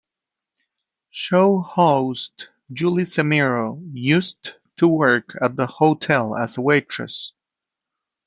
Show host Julia Zemiro used to work at the hotel as a waitress.